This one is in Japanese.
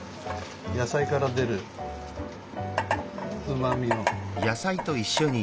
野菜から出るうまみを。